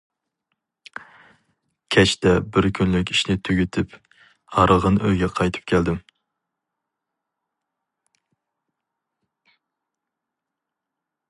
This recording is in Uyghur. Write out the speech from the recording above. كەچتە بىر كۈنلۈك ئىشنى تۈگىتىپ، ھارغىن ئۆيگە قايتىپ كەلدىم.